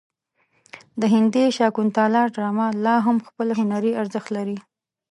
د هندي شاکونتالا ډرامه لا هم خپل هنري ارزښت لري.